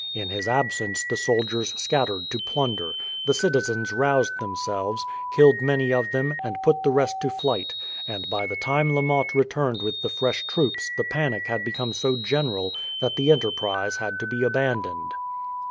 In his absence the soldiers scattered to plunder. The citizens roused themselves, killed many of them, and put the rest to flight, and by the time La Motte returned with the fresh troops the panic had become so general that the enterprise had to be abandoned.